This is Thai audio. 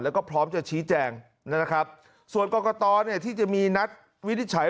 แล้วก็พร้อมจะชี้แจงนะครับส่วนกรกตเนี่ยที่จะมีนัดวินิจฉัย